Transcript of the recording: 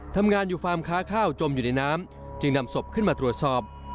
ทำงานอยู่ฟาร์มค้าข้าวจมอยู่ในน้ำจึงนำศพขึ้นมาตรวจสอบ